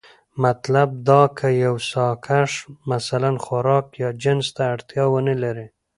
مطلب دا که يو ساکښ مثلا خوراک يا جنس ته اړتيا ونه لري،